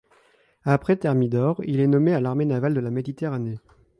Après Thermidor, il est nommé à l'Armée navale de la Méditerranée.